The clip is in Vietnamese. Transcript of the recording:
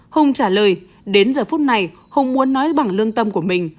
hùng trả lời đến giờ phút này hùng muốn nói bằng lương tâm của mình